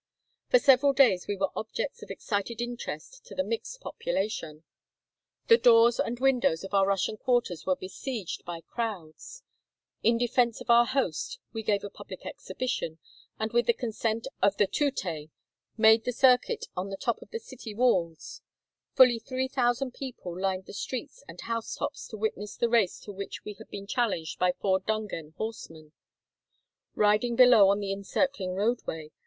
For several days we were objects of excited interest to the mixed population. The doors and windows of our Russian quarters were besieged by crowds. In defense of our host, we gave a public exhibition, and with the consent of the Tootai made the circuit on the top of the city walls. Fully 3000 people lined the streets and housetops to witness the race to which we had been challenged by four Dungan horsemen, riding below on the encircling roadway.